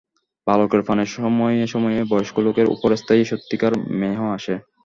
বালকের প্রাণে সময়ে সময়ে বয়স্ক লোকের উপর স্থায়ী সত্যিকার মেহ আসে।